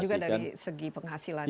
dan juga dari segi penghasilannya